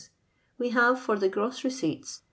we have for the gross receipts